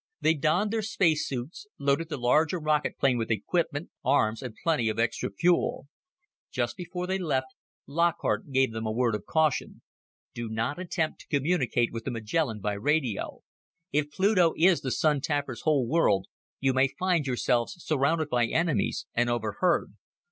They donned their space suits, loaded the larger rocket plane with equipment, arms, and plenty of extra fuel. Just before they left, Lockhart gave them a word of caution. "Do not attempt to communicate with the Magellan by radio. If Pluto is the Sun tappers' home world, you may find yourselves surrounded by enemies, and overheard.